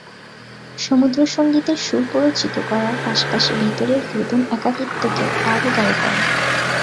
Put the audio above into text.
সমুদ্রসংগীতের সুর প্ররোচিত করার পাশাপাশি ভেতরের রোদন একাকীত্বকে আরও গাঢ় করে।